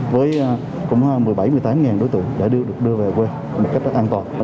với cũng một mươi bảy một mươi tám đối tượng đã được đưa về quê một cách rất an toàn